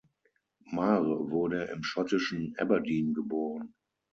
Marr wurde im schottischen Aberdeen geboren.